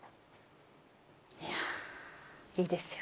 いやいいですよ。